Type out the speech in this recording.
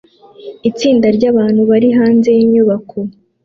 Itsinda ryabantu bari hanze yinyubako